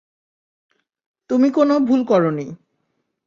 তুমি কোনো ভুল করো নি।